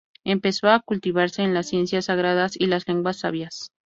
Empezó a cultivarse en las ciencias sagradas y las lenguas sabias.